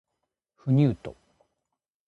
不入斗